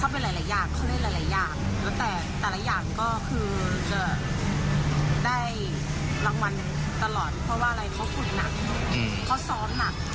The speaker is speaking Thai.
เพราะว่าอะไรเค้าฝึกหนักเค้าซ้อมหนัก